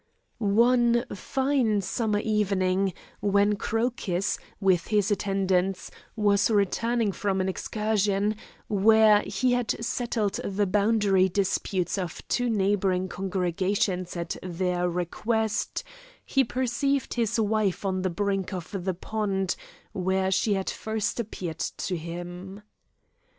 One fine summer evening, when Crocus, with his attendants, was returning from an excursion, where he had settled the boundary disputes of two neighbouring congregations at their request, he perceived his wife on the brink of the pond, where she had first appeared to him.